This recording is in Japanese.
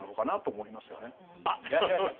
あっいらっしゃいました。